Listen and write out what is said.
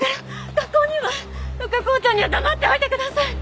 学校には副校長には黙っておいてください！